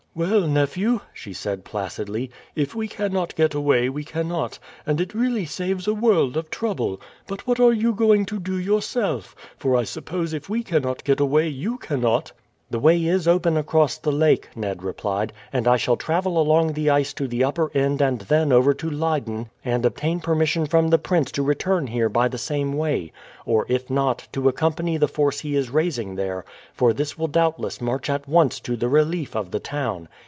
"Well, nephew," she said placidly, "if we cannot get away, we cannot; and it really saves a world of trouble. But what are you going to do yourself? for I suppose if we cannot get away, you cannot." "The way is open across the lake," Ned replied, "and I shall travel along the ice to the upper end and then over to Leyden, and obtain permission from the prince to return here by the same way; or if not, to accompany the force he is raising there, for this will doubtless march at once to the relief of the town.